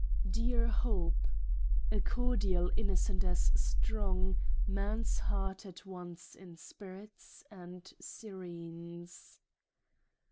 Dear Hope, A cordial innocent as strong Man's heart at once inspirits — and serenes.